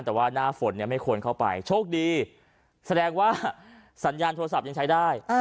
แต่ว่าหน้าฝนเนี่ยไม่ควรเข้าไปโชคดีแสดงว่าสัญญาณโทรศัพท์ยังใช้ได้